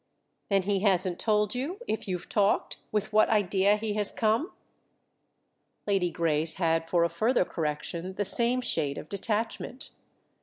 "Then he hasn't told you—if you've talked—with what idea he has come?" Lady Grace had for a further correction the same shade of detachment.